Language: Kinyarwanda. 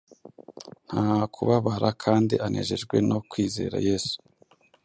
nta kubabara kandi anejejwe no kwizera Yesu.